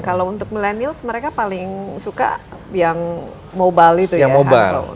kalau untuk milenials mereka paling suka yang mobile itu ya